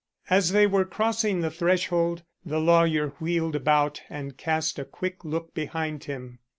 As they were crossing the threshold, the lawyer wheeled about and cast a quick look behind him.